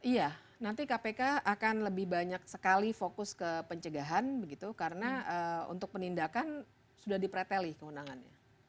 iya nanti kpk akan lebih banyak sekali fokus ke pencegahan begitu karena untuk penindakan sudah dipreteli kewenangannya